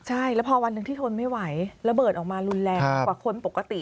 ใช่แล้วพอวันหนึ่งที่ทนไม่ไหวระเบิดออกมารุนแรงกว่าคนปกติ